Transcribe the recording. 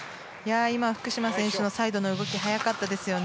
福島選手のサイドの動き速かったですね。